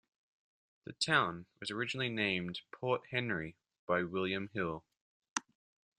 The town was originally named "Port Henry" by William Hill.